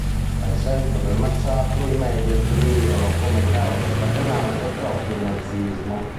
A seguito del massacro i media attribuirono come causa scatenante proprio il nazismo.